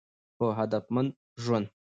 په هدفمند ژوند